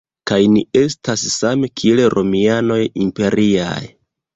Kaj ni estas same kiel romianoj imperiaj.